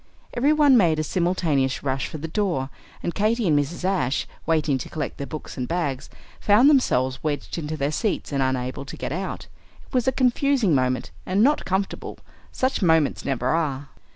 Every one made a simultaneous rush for the door; and Katy and Mrs. Ashe, waiting to collect their books and bags, found themselves wedged into their seats and unable to get out. It was a confusing moment, and not comfortable; such moments never are.